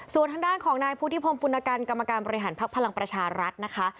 ส่วนทางด้านของนายพุทธิพงศ์ปุณกันกรรมการบริหารภักดิ์พลังประชารัฐนะคะ